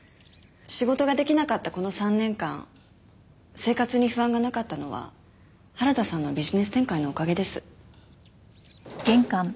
仕事が出来なかったこの３年間生活に不安がなかったのは原田さんのビジネス展開のおかげです。